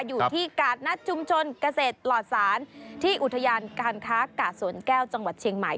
อยู่ที่กาดนัดชุมชนเกษตรหลอดศาลที่อุทยานการค้ากาดสวนแก้วจังหวัดเชียงใหม่